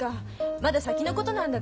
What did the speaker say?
まだ先のことなんだから。